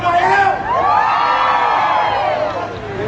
ขอบคุณมากนะคะแล้วก็แถวนี้ยังมีชาติของ